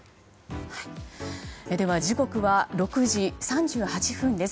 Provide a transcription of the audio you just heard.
では、時刻は６時３８分です。